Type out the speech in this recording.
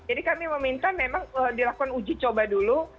kami meminta memang dilakukan uji coba dulu